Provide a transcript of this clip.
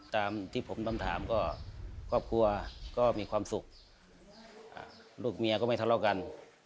ตามที่ผมต้องถามก็ครอบครัวก็มีความสุขลูกเมียก็ไม่ทะเลาะกัน